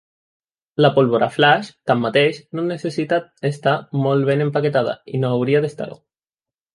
La pólvora flaix, tanmateix, no necessita estar molt ben empaquetada, i no hauria d'estar-ho.